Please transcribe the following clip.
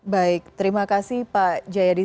baik terima kasih pak jayadi